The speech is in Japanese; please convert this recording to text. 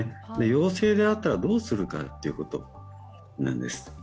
陽性であったらどうするかということなんです。